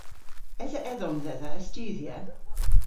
Esa edhom dhedha a studhya?